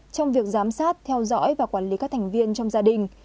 trong việc giám sát theo dõi và quản lý các thành viên trong gia đình